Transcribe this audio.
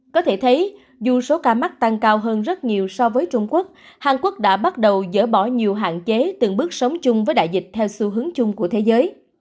có thể thấy dù số ca mắc tăng cao hơn rất nhiều so với trung quốc hàn quốc đã bắt đầu dỡ bỏ nhiều hạn chế từng bước sống chung với đại dịch theo xu hướng chung của thế giới